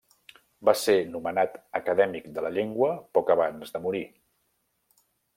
Va ser nomenat acadèmic de la Llengua poc abans de morir.